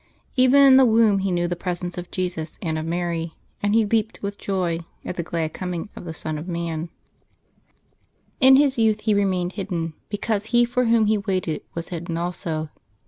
Even in the womb he knew the presence of Jesus and of Mary, and he leaped with joy at the glad coming of the Son of man. In 238 LIVES OF THE SAINTS [June 24 his youth he remained hidden, because He for Whom he waited was hidden also.